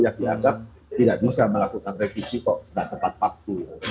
yang dianggap tidak bisa melakukan revisi kok tidak tepat waktu